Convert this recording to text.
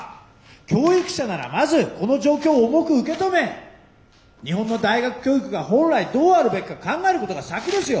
教育者ならまずこの状況を重く受け止め日本の大学教育が本来どうあるべきか考えることが先ですよ。